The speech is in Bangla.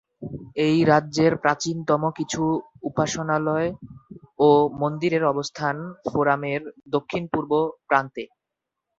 এই রাজ্যের প্রাচীনতম কিছু উপসনালয় ও মন্দিরের অবস্থান ফোরামের দক্ষিণ-পূর্ব প্রান্তে।